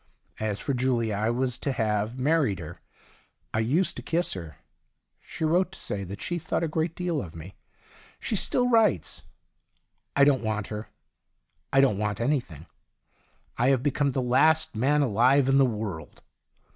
As for Julia, I was to have married her ; I used to kiss her. She wrote to say that she thought a great deal of me ; she still writes. I don't want her. I don't want anything. I have become the last man alive in the world.